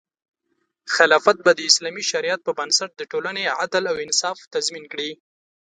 خلافت به د اسلامي شریعت په بنسټ د ټولنې عدل او انصاف تضمین کړي.